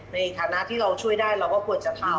ในฐานะที่เราช่วยได้เราก็ควรจะทำ